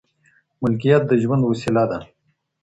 ملکيت د ژوند وسيله ده.